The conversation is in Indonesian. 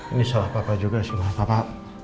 ini salah papa juga sih ma papa